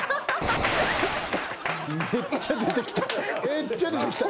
めっちゃ出てきた。